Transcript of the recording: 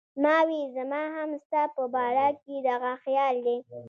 ما وې زما هم ستا پۀ باره کښې دغه خيال دی